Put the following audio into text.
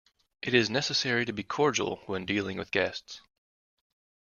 It is necessary to be cordial when dealing with guests.